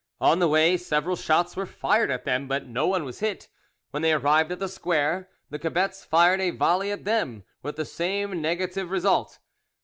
On the way several shots were fired at them, but no one was hit. When they arrived at the square, the cebets fired a volley at them with the same negative result.